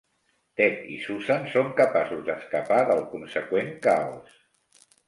Ted i Susan són capaços d'escapar del conseqüent caos.